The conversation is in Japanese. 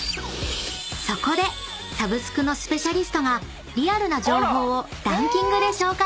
［そこでサブスクのスペシャリストがリアルな情報をランキングで紹介します］